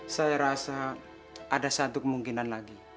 saya rasa ada satu kemungkinan lagi